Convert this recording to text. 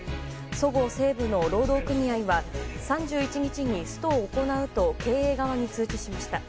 そごう・西武の労働組合は３１日にストを行うと経営側に通知しました。